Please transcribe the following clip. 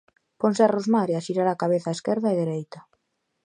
Ponse a rosmar e a xirar a cabeza a esquerda e dereita.